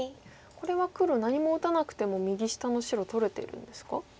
これは黒何も打たなくても右下の白取れてるんですか？